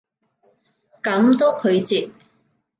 噉都拒絕？